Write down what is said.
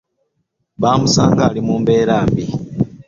Bamusanga ali mu mbeera mbi.